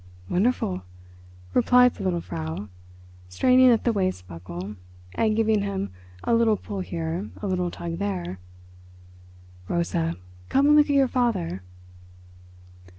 "Wonderful," replied the little Frau, straining at the waist buckle and giving him a little pull here, a little tug there. "Rosa, come and look at your father."